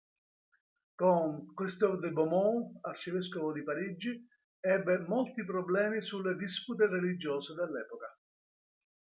Con Christophe de Beaumont, arcivescovo di Parigi, ebbe molti problemi sulle dispute religiose dell'epoca.